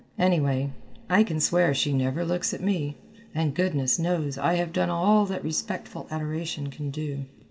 Anyway, I can swear she never looks at me, and goodness knows I have done all that respectful adoration can do."